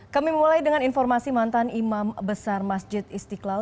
kami mulai dengan informasi mantan imam besar masjid istiqlal